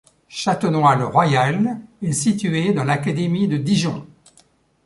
Châtenoy-le-Royal est située dans l'académie de Dijon.